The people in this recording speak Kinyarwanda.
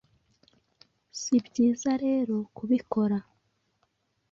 si byiza rero kubikora